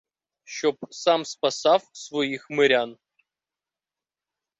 Щоб сам спасав своїх мирян.